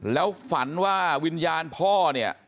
แล้วฝันว่าวิญญาณพ่อเนี่ย